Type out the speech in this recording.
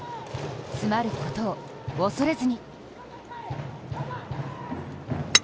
詰まることを恐れずに。